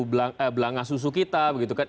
ee belangah susu kita gitu kan